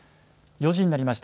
４時になりました。